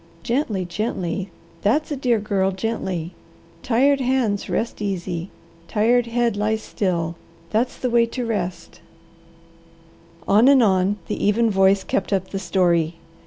Gently, gently, that's a dear girl, gently! Tired hands rest easy, tired head lies still! That's the way to rest " On and on the even voice kept up the story.